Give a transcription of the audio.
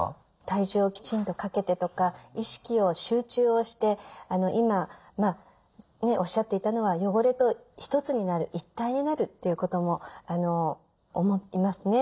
体重をきちんとかけてとか意識を集中をして今おっしゃっていたのは汚れと一つになる一体になるっていうことも思いますね。